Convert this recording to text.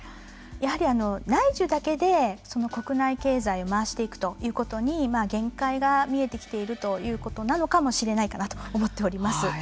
やはり内需だけで国内経済を回していくということに限界が見えてきているということなのかもしれないかなと思っております。